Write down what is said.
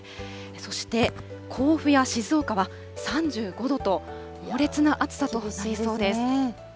そして、甲府や静岡は３５度と、猛烈な暑さとなりそうです。